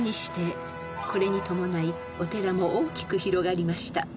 ［これに伴いお寺も大きく広がりました］